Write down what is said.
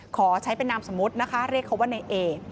ขอใช้เป็นนามสมมุตินะคะเรียกเขาว่าในเอก